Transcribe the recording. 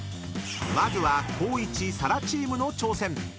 ［まずは光一・紗来チームの挑戦］